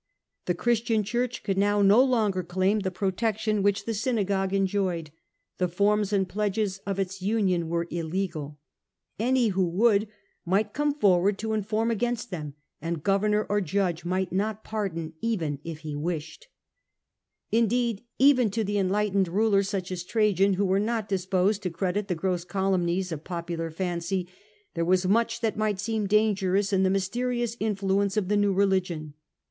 The Christian church could now no longer claim the protec tion which the synagogue enjoyed ; the forms and pledges of its union were illegal ; any who would, might on. VI. The Empire and Christianitj', 1 37 come forward to inform against them, and governor 01 judge might not pardon even if he wished. Indeed, even to enlightened rulers such as Trajan, who were not disposed to credit the gross calumnies of popular fancy, there was much that might seem dangerous in the mysterious influence of the new re ligion.